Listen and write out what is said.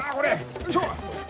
よいしょ！